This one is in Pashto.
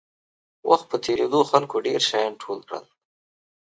وخت په تېرېدو خلکو ډېر شیان ټول کړل.